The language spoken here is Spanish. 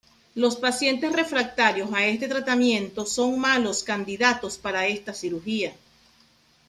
Los pacientes refractarios a este tratamiento son malos candidatos para esta cirugía.